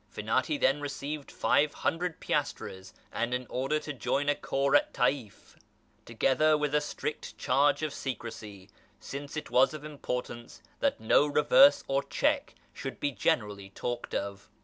Finati then received five hundred piastres and an order to join a corps at Taif, together with a strict charge of secre[c]y, since it was of importance that no reverse or check should be generally talked of.